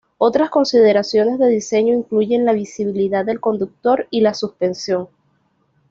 Otras consideraciones de diseño incluyen la visibilidad del conductor y la suspensión.